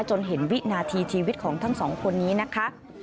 จนเห็นวินาทีชีวิตของทั้งสองคนนี้นะคะ